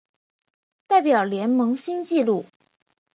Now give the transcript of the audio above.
代表联盟新纪录